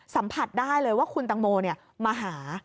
สัมผัสได้เลยว่าคุณตังโมมาหา